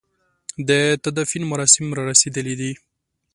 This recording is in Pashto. د تدفين مراسم را رسېدلي دي.